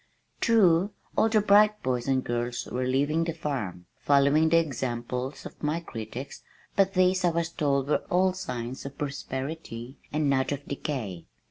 True, all the bright boys and girls were leaving the farm, following the example of my critics, but these I was told were all signs of prosperity and not of decay.